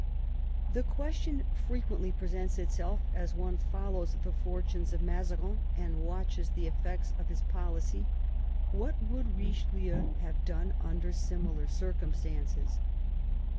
The question frequently presents itself, as one follows the fortunes of Mazarin and watches the effects of hia _ policy/what would Eichelieu have" done under similar cfrcumstances